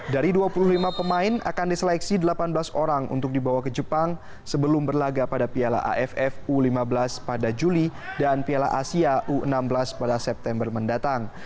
dari dua puluh lima pemain akan diseleksi delapan belas orang untuk dibawa ke jepang sebelum berlaga pada piala aff u lima belas pada juli dan piala asia u enam belas pada september mendatang